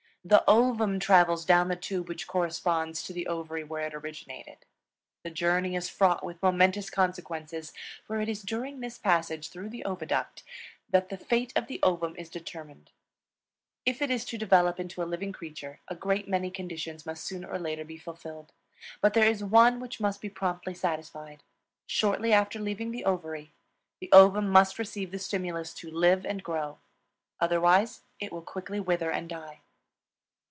The ovum travels down the tube which corresponds to the ovary where it originated. The journey is fraught with momentous consequences, for it is during this passage through the oviduct that the fate of the ovum is determined. If it is to develop into a living creature, a great many conditions must sooner or later be fulfilled; but there is one which must be promptly satisfied. Shortly after leaving the ovary the ovum must receive the stimulus to live and grow; otherwise it will quickly wither and die.